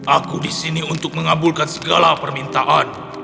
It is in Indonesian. aku disini untuk mengabulkan segala permintaanmu